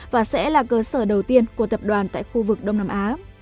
và sẽ là cơ sở đầu tiên của tập đoàn tại khu vực đông nam á